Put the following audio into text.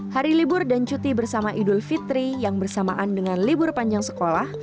hari libur dan cuti bersama idul fitri yang bersamaan dengan libur panjang sekolah